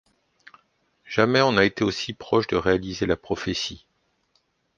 Jamais on a été aussi proches de réaliser la prophétie.